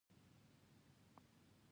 په ثانیو کې خوب خپلې غېږې ته وړی وم.